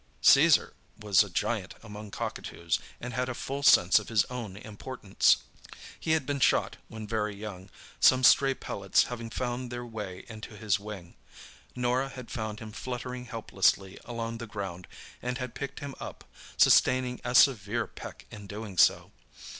Caesar was a giant among cockatoos, and had a full sense of his own importance. He had been shot when very young, some stray pellets having found their way into his wing. Norah had found him fluttering helplessly along the ground, and had picked him up, sustaining a severe peck in doing so.